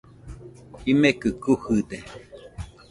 Jimekɨ kujɨde.